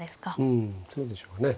うんそうでしょうかね。